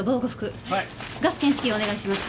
ガス検知器お願いします。